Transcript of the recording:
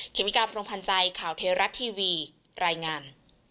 เมกาพรมพันธ์ใจข่าวเทราะทีวีรายงาน